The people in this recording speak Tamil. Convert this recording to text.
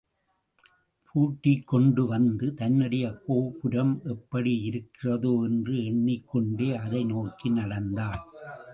பூட்டிக்கொண்டு வந்த தன்னுடைய கோபுரம் எப்படியிருக்கிறதோ என்று எண்ணிக்கொண்டே அதை நோக்கி நடந்தான்.